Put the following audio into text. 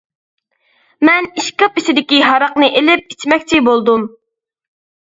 مەن ئىشكاپ ئىچىدىكى ھاراقنى ئېلىپ ئىچمەكچى بولدۇم.